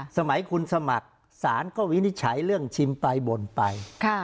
สมัยคุณสมัครศาลก็วินิจฉัยเรื่องชิมไปบ่นไป